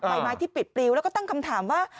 ไม้ที่ปิดปลิวแล้วก็ตั้งคำถามว่า